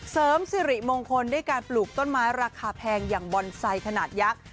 เสริมสิริมงคลด้วยการปลูกต้นไม้ราคาแพงอย่างบอนไซค์ขนาดยักษ์